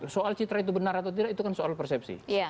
soal citra itu benar atau tidak itu kan soal persepsi